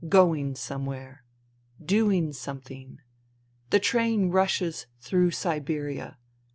Going somewhere. Doing something. The train rushes through Siberia.